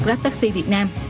grab taxi việt nam